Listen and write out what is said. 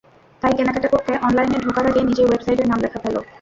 তাই কেনাকাটা করতে অনলাইনে ঢোকার আগে নিজেই ওয়েবসাইটের নাম লেখা ভালো।